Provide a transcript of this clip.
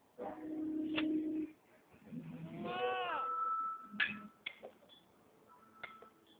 属名是以发现化石的迪布勒伊家庭为名。